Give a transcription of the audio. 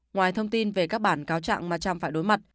ngoài thông tin về các bản cáo trạng mà cham phải đối mặt